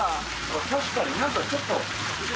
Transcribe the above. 確かに何かちょっと。